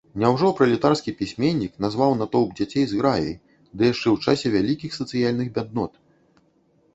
Няўжо пралетарскі пісьменнік назваў натоўп дзяцей зграяй, ды яшчэ ў часе вялікіх сацыяльных бяднот?